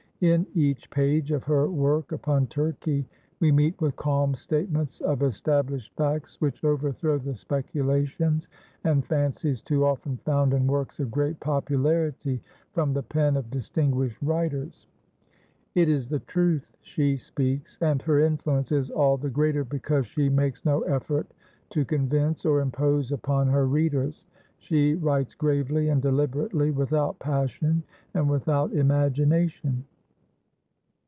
In each page of her work upon Turkey we meet with calm statements of established facts which overthrow the speculations and fancies too often found in works of great popularity from the pen of distinguished writers. It is the truth she speaks; and her influence is all the greater because she makes no effort to convince or impose upon her readers; she writes gravely and deliberately, without passion and without imagination.